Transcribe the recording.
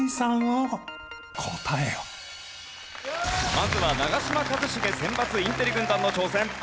まずは長嶋一茂選抜インテリ軍団の挑戦。